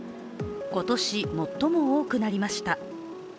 今年、最も多くなりました。